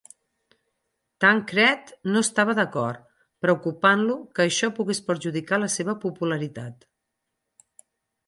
Tancred no estava d'acord, preocupant-lo que això pogués perjudicar la seva popularitat.